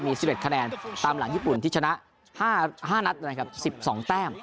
มี๑๑คะแนนตามหลังญี่ปุ่นที่ชนะ๕นัดนะครับ๑๒แต้ม